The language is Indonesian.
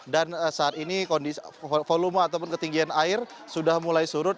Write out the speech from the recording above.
dan saat ini volume ataupun ketinggian air sudah mulai surut